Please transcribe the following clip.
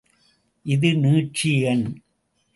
இது நீட்சி எண்.